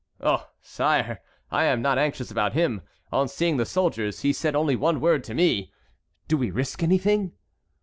"Oh! sire, I am not anxious about him. On seeing the soldiers he said only one word to me: 'Do we risk anything?'